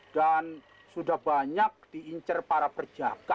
dan sudah banyak diincir para berjaga